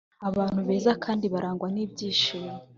abantu beza kandi barangwa n‘ibyishimo